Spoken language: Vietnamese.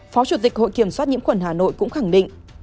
phó chủ tịch hội kiểm soát nhiễm khuẩn hà nội cũng khẳng định